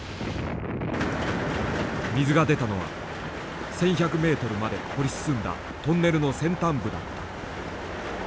水が出たのは１，１００ｍまで掘り進んだトンネルの先端部だった。